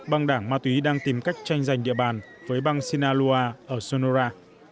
băng đảng ma túy đang tìm cách tranh giành địa bàn với bang sinaloa ở sonora